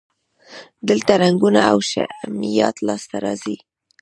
دلته رنګونه او شهمیات لاسته راځي.